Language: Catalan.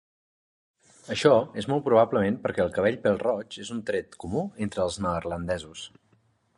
Això és molt probablement perquè el cabell pèl-roig és un tret comú entre els neerlandesos.